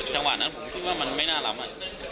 จังหวะนั้นผมคิดว่ามันไม่น่าล้ำ